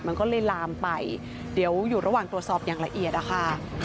มันก็เลยลามไปเดี๋ยวอยู่ระหว่างตรวจสอบอย่างละเอียดนะคะ